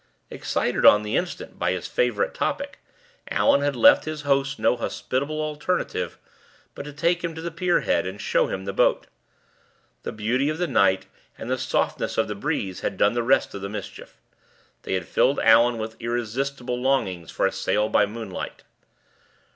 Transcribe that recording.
Excited on the instant by his favorite topic, Allan had left his host no hospitable alternative but to take him to the pier head and show him the boat. The beauty of the night and the softness of the breeze had done the rest of the mischief; they had filled Allan with irresistible longings for a sail by moonlight.